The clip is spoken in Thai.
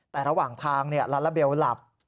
แต่ระหว่างทางลาลาเบลหลับ